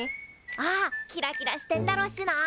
ああキラキラしてんだろっしな。